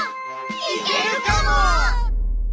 いけるかも！